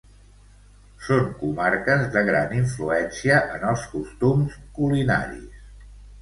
Són comarques de gran influència en els costums culinaris